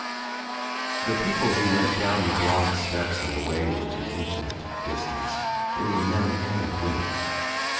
The people who went down the broad steps and away into infinite distance — they were men and women.